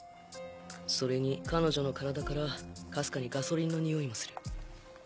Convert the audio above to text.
それに彼女の体からかすかにガソリンのにおいもする。